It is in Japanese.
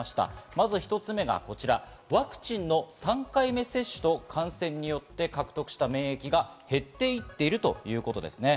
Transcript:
まず一つ目はこちら、ワクチンの３回目接種と感染によって獲得した免疫が減っていっているということですね。